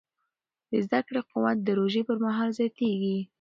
د زده کړې قوت د روژې پر مهال زیاتېږي.